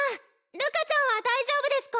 瑠夏ちゃんは大丈夫ですか？